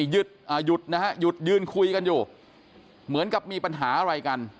หยุดนะฮะหยุดยืนคุยกันอยู่เหมือนกับมีปัญหาอะไรกัน